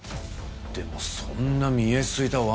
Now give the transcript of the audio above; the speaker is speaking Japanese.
でもそんな見え透いた罠。